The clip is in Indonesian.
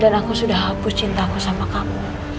dan aku sudah hapus cintaku sama kamu